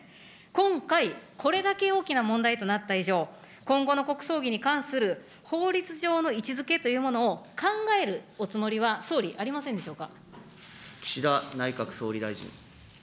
今回、これだけ大きな問題となった以上、今後の国葬儀に関する法律上の位置づけというものを考えるおつもりは、総理、ありませんでしょうか。